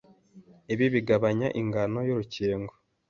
Ibi bigabanya ingano y'urukingo